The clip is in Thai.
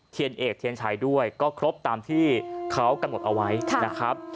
เทียนเอกเทียนชัยด้วยก็ครบตามที่เขากำหนดเอาไว้นะครับ